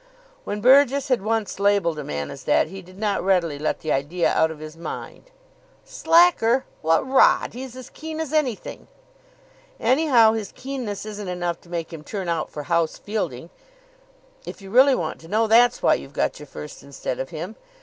When Burgess had once labelled a man as that, he did not readily let the idea out of his mind. "Slacker? What rot! He's as keen as anything." "Anyhow, his keenness isn't enough to make him turn out for house fielding. If you really want to know, that's why you've got your first instead of him.